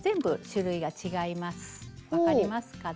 分かりますかね？